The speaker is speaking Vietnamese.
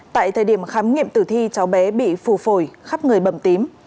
tại thời điểm khám nghiệm tử thi cháu bé bị phù phổi khắp người bầm tím